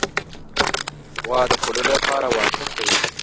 غوا د خوړو لپاره واښه خوري.